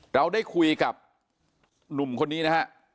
เราได้คุยกับหนุ่มคนนี้นะฮะ